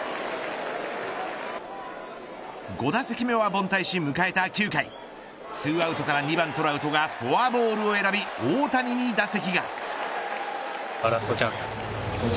５打席目は凡退し、迎えた９回２アウトから２番トラウトがフォアボールを選び大谷に打席が。